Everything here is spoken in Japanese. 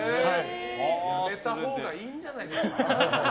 やめたほうがいいんじゃないですか？